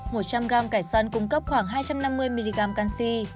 một trăm linh g cải xoăn cung cấp khoảng hai trăm năm mươi mg canxi